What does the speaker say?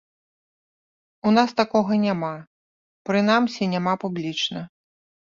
У нас такога няма, прынамсі няма публічна.